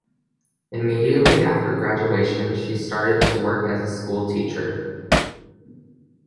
Immediately after graduation, she started to work as a school teacher.